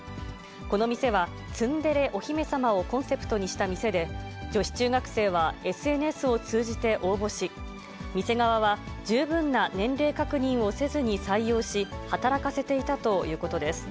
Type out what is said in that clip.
この店は、ツンデレお姫様をコンセプトにした店で、女子中学生はＳＮＳを通じて応募し、店側は十分な年齢確認をせずに採用し、働かせていたということです。